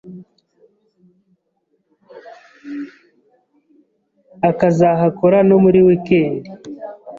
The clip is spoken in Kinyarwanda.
akazahakora no muri week end.